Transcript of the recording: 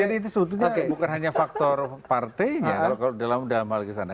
jadi itu sebetulnya bukan hanya faktor partainya kalau dalam dalam hal kesana